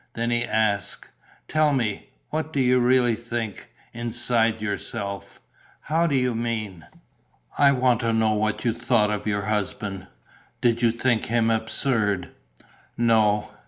Then he asked: "Tell me, what do you really think, inside yourself?" "How do you mean?" "I want to know what you thought of your husband. Did you think him absurd?" "No."